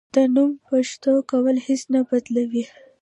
د نوم پښتو کول هیڅ نه بدلوي.